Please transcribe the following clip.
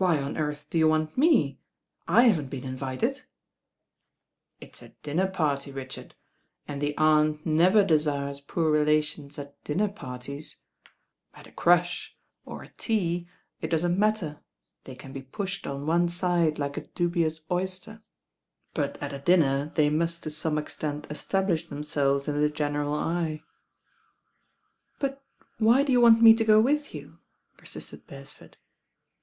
'* "But why on earth do you want me? I haven't been mvited." "It's a dinner party, Richard, and the Aunt never desires poor relations at dinner parties. At a crush, III lis THE JUm GIRL or a tea, it doesn't matter, they can be pushed on one Side, like a dubious oyster; but at dinner they must to some extent establish themselves in the iren eral eye." * "But why do you want me to go with you?" per sisted Beresford.